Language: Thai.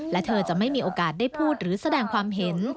และเธอจะไม่มีโอกาสได้พูดหรือแสดงความเห็น